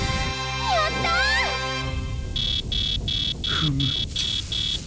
フム！